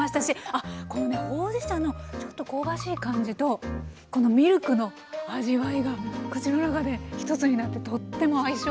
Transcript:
あっこのねほうじ茶のちょっと香ばしい感じとこのミルクの味わいが口の中で一つになってとっても相性がいいです。